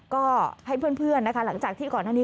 ก็ให้เพื่อนนะคะหลังจากที่ก่อนหน้านี้